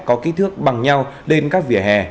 có kích thước bằng nhau đến các vỉa hè